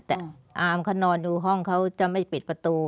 แต่อามเขานอนดูห้องเขาจะไม่ปิดประตู